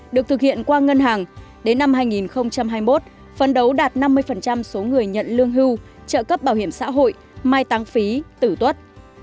được thực hiện qua ngân hàng đến năm hai nghìn hai mươi một phân đấu đạt năm mươi số người nhận lương hưu trợ cấp bảo hiểm xã hội mai tăng phí tử tuất